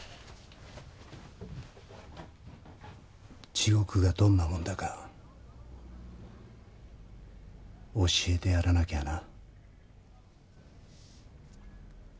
地獄がどんなもんだか教えてやらなきゃな。